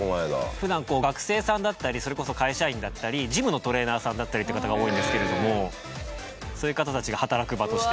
普段学生さんだったりそれこそ会社員だったりジムのトレーナーさんだったりっていう方が多いんですけれどもそういう方たちが働く場として。